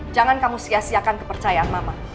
jangan kamu sia siakan kepercayaan mama